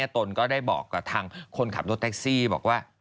ตนก็ได้บอกกับทางคนขับรถแท็กซี่บอกว่า